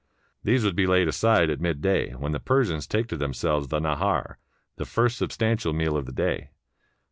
These would be laid aside at midday, when the Persians take to them selves the nakar, the first substantial meal of the day.